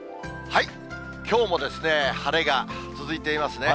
きょうも晴れが続いていますね。